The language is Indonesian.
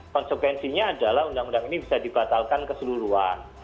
konsekuensinya adalah undang undang ini bisa dibatalkan keseluruhan